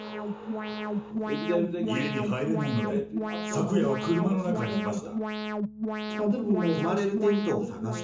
家に入れないので、昨夜は車の中にいました。